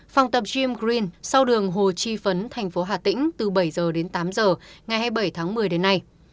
phòng tập gym green sau đường hồ chi phấn thành phố hà tĩnh từ bảy giờ đến tám giờ ngày hai mươi bảy tháng một mươi đến nay